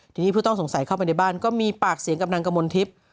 ทีนี้ผู้ต้องสงสัยเข้าไปในบ้านก็มีปากเสียงกับนางกมลทิพย์